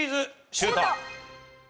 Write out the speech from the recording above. シュート！